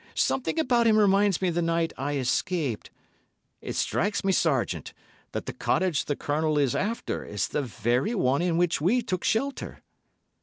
Something about him reminds me of the night I escaped from N——. It strikes me, Sergeant, that the cottage the Colonel is after is the very one in which we took shelter."